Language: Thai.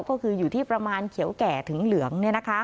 ก็คืออยู่ที่ประมาณเขียวแก่ถึงเหลือง